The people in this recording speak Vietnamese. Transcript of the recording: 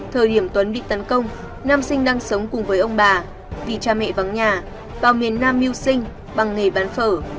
thời điểm tuấn bị tấn công nam sinh đang sống cùng với ông bà vì cha mẹ vắng nhà vào miền nam mưu sinh bằng nghề bán phở